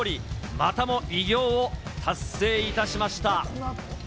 またも偉業を達成いたしました。